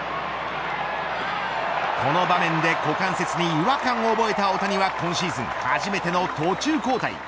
この場面で股関節に違和感を覚えた大谷は今シーズン初めての途中交代。